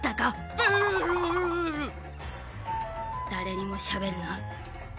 誰にもしゃべるな。